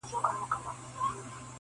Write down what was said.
چي منلی پر کابل او هندوستان وو-